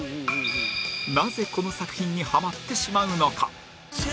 なぜこの作品にハマってしまうのか？